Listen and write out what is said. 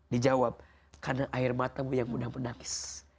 dijawab karena air matamu yang mudah menangis